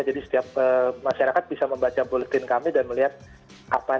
jadi setiap masyarakat bisa membaca bulletin kami dan melihat kapan